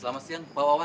selamat siang pak wawan